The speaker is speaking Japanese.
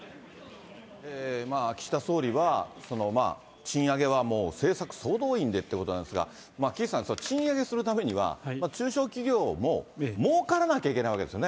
岸田総理は、賃上げはもう、政策総動員でってことなんですが、岸さん、賃上げするためには、中小企業も、もうからなきゃいけないわけですよね。